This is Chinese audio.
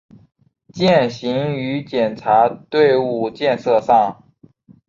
践行于检察队伍建设上